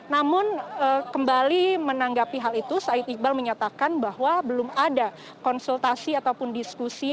namun kembali menanggapi hal itu said iqbal menyatakan bahwa belum ada konsultasi ataupun diskusi